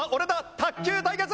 卓球対決！